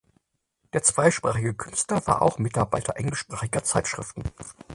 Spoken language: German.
Der zweisprachige Künstler war auch Mitarbeiter englischsprachiger Zeitschriften.